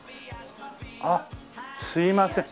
あっすいません。